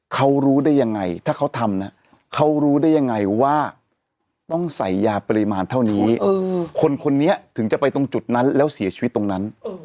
เขารู้ได้ยังไงถ้าเขาทำนะเขารู้ได้ยังไงว่าต้องใส่ยาปริมาณเท่านี้คนคนนี้ถึงจะไปตรงจุดนั้นแล้วเสียชีวิตตรงนั้น